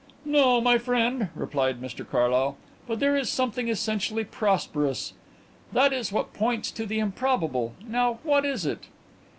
"No, my friend," replied Mr Carlyle, "but there is something essentially prosperous. That is what points to the improbable. Now what is it?"